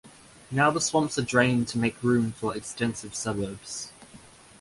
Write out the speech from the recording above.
Now the swamps are drained to make room for extensive suburbs.